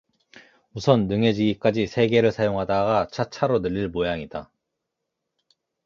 우선 능해지기까지 세 개를 사용하다가 차차로 늘릴 모양이다.